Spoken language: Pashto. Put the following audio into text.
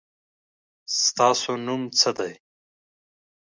ستاسو نوم څه دی؟